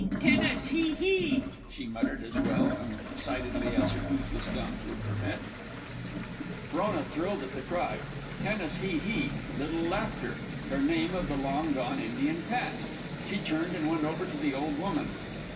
Tenas Hee Hee!" she muttered as well and as excitedly as her toothless gums would permit. Frona thrilled at the cry. Tenas Hee Hee! Little Laughter! Her name of the long gone Indian past! She turned and went over to the old woman.